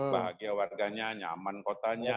bahagia warganya nyaman kotanya